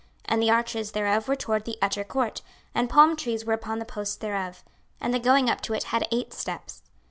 26:040:031 And the arches thereof were toward the utter court; and palm trees were upon the posts thereof: and the going up to it had eight steps.